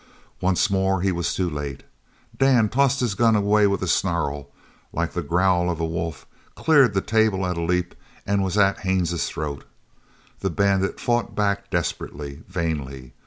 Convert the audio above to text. Once more he was too late. Dan tossed his gun away with a snarl like the growl of a wolf; cleared the table at a leap, and was at Haines's throat. The bandit fought back desperately, vainly.